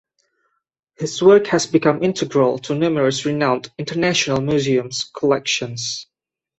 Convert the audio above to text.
His work has become integral to numerous renowned, international museums' collections.